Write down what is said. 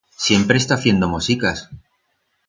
Siempre está fiendo mosicas!